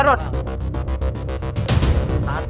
berani lo sama kita